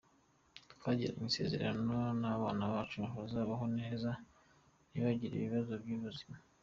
Twagiranye isezerano ko abana bacu bazabaho neza ntibagire ibibazo by’ubuzima.